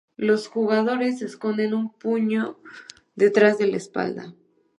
Los dos jugadores esconden un puño detrás de la espalda.